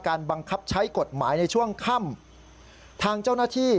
บังคับใช้กฎหมายในช่วงค่ำทางเจ้าหน้าที่